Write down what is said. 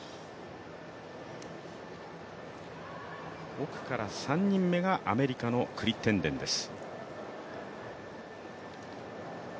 奥から３人目がアメリカのクリッテンデンです。